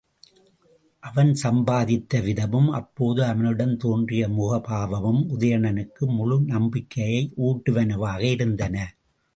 அவன் சம்மதித்தவிதமும் அப்போது அவனிடம் தோன்றிய முகபாவமும் உதயணனுக்கு முழு நம்பிக்கையை ஊட்டுவனவாக இருந்தன.